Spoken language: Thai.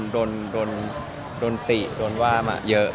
โดนติโดนว่ามาเยอะ